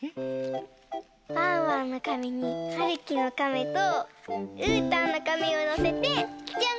ワンワンのカメにはるきのカメとうーたんのカメをのせてじゃん！